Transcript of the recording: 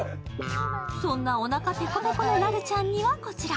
そんなおなかペコペコのラルちゃんにはこちら。